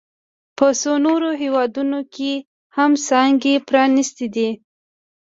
په څو نورو هېوادونو کې هم څانګې پرانیستي دي